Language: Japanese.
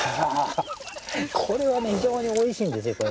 これは非常においしいんですよ。